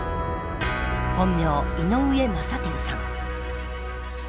本名井上雅央さん。